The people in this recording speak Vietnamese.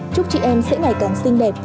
chúc chị em sẽ ngày càng xinh đẹp